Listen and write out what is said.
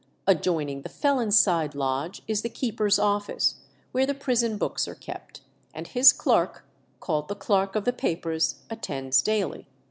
Adjoining the felons' side lodge is the keeper's office, where the prison books are kept, and his clerk, called the clerk of the papers, attends daily."